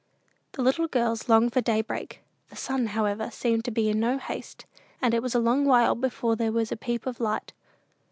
The little girls longed for daybreak. The sun, however, seemed to be in no haste, and it was a long while before there was a peep of light.